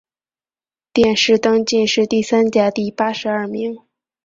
殿试登进士第三甲第八十二名。